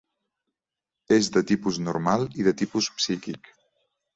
És de tipus normal i de tipus psíquic.